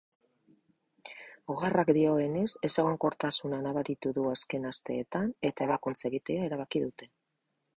Oharrak dioenez ezegonkortasuna nabaritu du azken asteetan eta ebakuntza egitea erabaki dute.